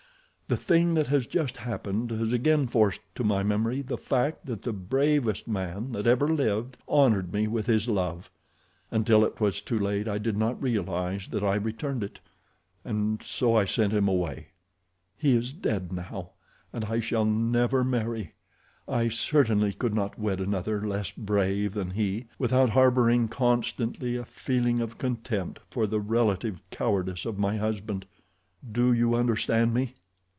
"The thing that has just happened has again forced to my memory the fact that the bravest man that ever lived honored me with his love. Until it was too late I did not realize that I returned it, and so I sent him away. He is dead now, and I shall never marry. I certainly could not wed another less brave than he without harboring constantly a feeling of contempt for the relative cowardice of my husband. Do you understand me?"